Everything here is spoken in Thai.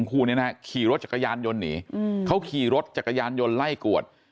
คู่นี้นะขี่รถจักรยานยนต์หนีเขาขี่รถจักรยานยนต์ไล่กวด